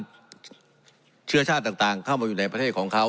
ในการเชื่อชาติต่างค่าวมาอยู่แต่ประเทศของเขา